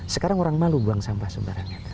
sekarang orang malu buang sampah sembarangan